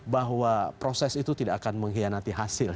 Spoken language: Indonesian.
bahwa proses itu tidak akan mengkhianati hasil